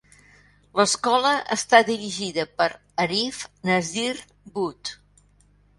L'escola està dirigida per Arif Nazir Butt.